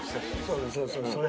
そうそうそれ。